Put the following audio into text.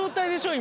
今。